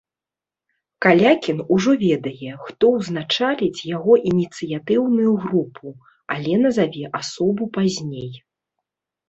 Калякін ужо ведае, хто ўзначаліць яго ініцыятыўную групу, але назаве асобу пазней.